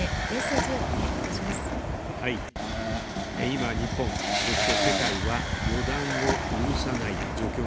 今、日本、そして世界は、予断を許さない状況にあります。